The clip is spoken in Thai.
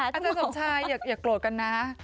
อาจจะสนใจอย่าโกรธกันนะ